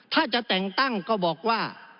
ถ้าจะแต่งตั้งก็บอกว่า